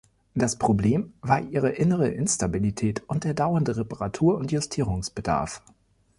Das Problem war ihre innere Instabilität und der dauernde Reparatur- und Justierungsbedarf.